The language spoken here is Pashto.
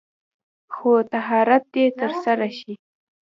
خو طهارت دې تر سره شي.